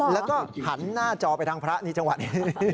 แล้วก็หันหน้าจอไปทางพระในจังหวะนี้